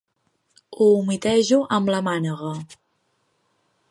Ho humitejo amb la mànega.